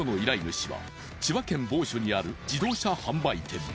主は千葉県某所にある自動車販売店。